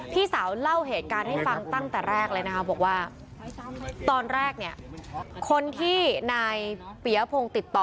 ที่ศาลเล่าเหตุการณ์ให้ฟังตั้งแต่แรกและแนาบอกว่าร้ายตอนแรกเนี่ยคนที่นายเปียงพลงติดต่อ